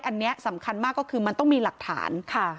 อันนี้สำคัญมากก็คือมันต้องมีหลักฐานค่ะ